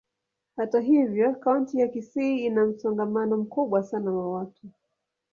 Hata hivyo, kaunti ya Kisii ina msongamano mkubwa sana wa watu.